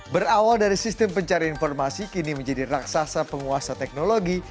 berawal dari sistem pencari informasi kini menjadi raksasa penguasa teknologi